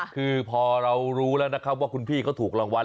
คือพอเรารู้แล้วนะครับว่าคุณพี่เขาถูกรางวัล